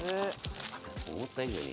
思った以上に。